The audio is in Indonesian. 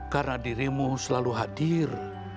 karena dirimu selalu hadir